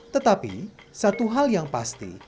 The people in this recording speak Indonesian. tetapi satu hal yang pasti